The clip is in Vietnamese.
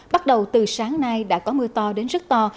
bắt đầu từ sáng nay đã có mưa to đến rất to